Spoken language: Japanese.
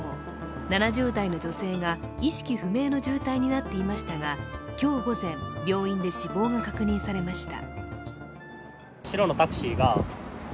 ７０代の女性が意識不明の重体になっていましたが今日午前、病院で死亡が確認されました。